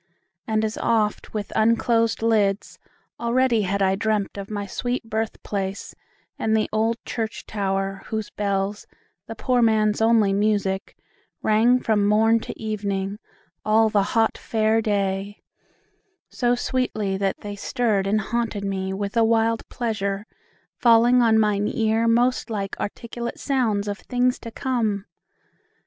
and as oft With unclosed lids, already had I dreamt Of my sweet birth place, and the old church tower, Whose bells, the poor man's only music, rang From morn to evening, all the hot Fair day, So sweetly, that they stirred and haunted me With a wild pleasure, falling on mine ear Most like articulate sounds of things to come!